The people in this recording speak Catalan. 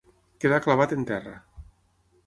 Quedar clavat en terra.